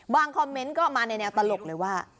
คอมเมนต์ก็มาในแนวตลกเลยว่า